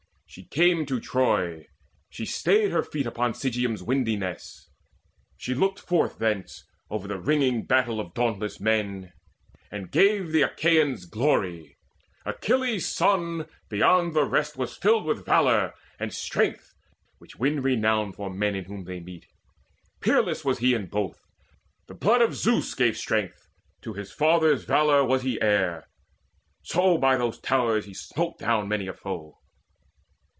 She came to Troy, she stayed her feet upon Sigeum's windy ness, she looked forth thence Over the ringing battle of dauntless men, And gave the Achaeans glory. Achilles' son Beyond the rest was filled with valour and strength Which win renown for men in whom they meet. Peerless was he in both: the blood of Zeus Gave strength; to his father's valour was he heir; So by those towers he smote down many a foe.